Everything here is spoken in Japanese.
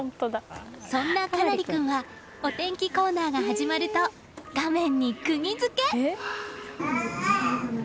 そんな佳也君はお天気コーナーが始まると画面に釘付け。